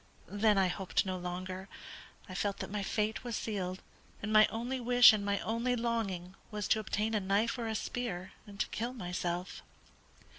Then I hoped no longer. I felt that my fate was sealed, and my only wish and my only longing was to obtain a knife or a spear, and to kill myself."